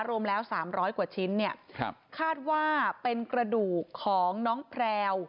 รวมแล้ว๓๐๐กว่าชิ้นเนี่ยคาดว่าเป็นกระดูกของน้องแพลว